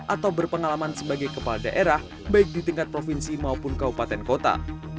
atau berpengalaman sebagai kepala daerah baik di tingkat provinsi maupun kabupaten kota